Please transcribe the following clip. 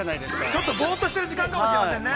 ◆ちょっとぼうっとしている時間かもしれませんね。